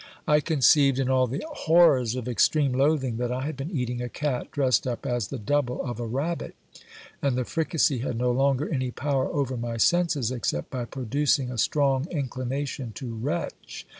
I conceived, in all the horrors of extreme loathing, that I had been eating a cat dressed up as the double of a rabbit; and the fricassee had no longer any power over my senses, except by producing a strong inclination to retell.